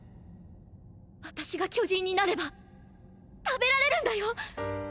私が巨人になれば食べられるんだよ。